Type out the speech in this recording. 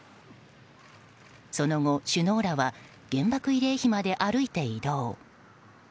その後、首脳らは原爆慰霊碑まで歩いて移動。